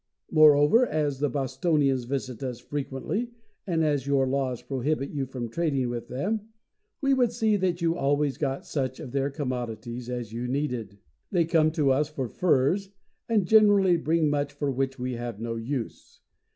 Moreover, as the Bostonians visit us frequently, and as your laws prohibit you from trading with them, we would see that you always got such of their commodities as you needed. They come to us for furs, and generally bring much for which we have no use.